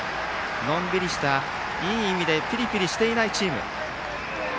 のんびりした、いい意味でピリピリしていないチーム。